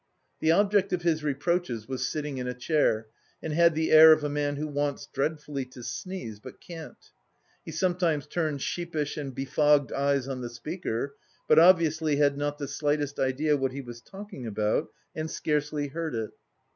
The object of his reproaches was sitting in a chair, and had the air of a man who wants dreadfully to sneeze, but can't. He sometimes turned sheepish and befogged eyes on the speaker, but obviously had not the slightest idea what he was talking about and scarcely heard it.